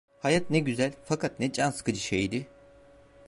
Hayat ne güzel fakat ne can sıkıcı şeydi!